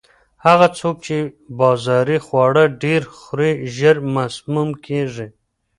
هغه څوک چې بازاري خواړه ډېر خوري، ژر مسموم کیږي.